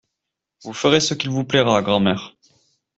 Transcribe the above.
Vous ferez ce qu'il vous plaira, grand'mère.